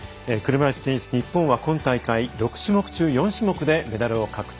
車いすテニス、日本は今大会、６種目中４種目でメダルを獲得。